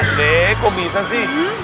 pak d kok bisa sih